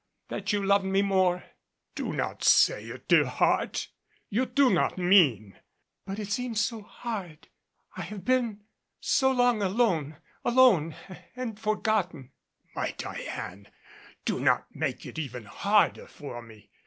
That you loved me more " "Do not say it, dear heart! You do not mean " "But it seems so hard! I have been so long alone alone and forgotten!" "My Diane! Do not make it even harder for me.